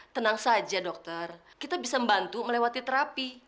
tenang saja dokter kita bisa membantu melewati terapi